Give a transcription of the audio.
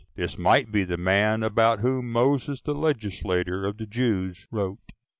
This might be the man about whom Moses the legislator of the Jews wrote." 7.